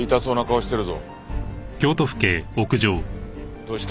どうした？